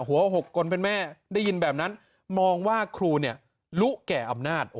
๖คนเป็นแม่ได้ยินแบบนั้นมองว่าครูเนี่ยรู้แก่อำนาจ